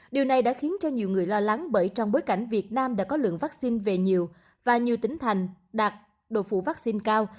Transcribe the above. điều này đã khiến cho nhiều người lo lắng bởi trong bối cảnh việt nam đã có lượng vaccine về nhiều và nhiều tỉnh thành đạt độ phụ vaccine cao